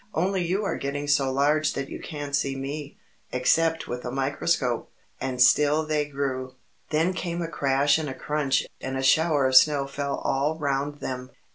"Only you are getting so large that you can't see me, except with a microscope." And still they grew. Then came a crash and a crunch, and a shower of snow fell all round them.